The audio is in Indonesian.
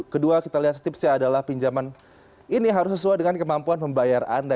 kedua kita lihat tipsnya adalah pinjaman ini harus sesuai dengan kemampuan membayar anda